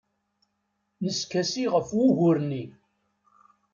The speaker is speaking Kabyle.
Neskasi ɣef wugur-nni.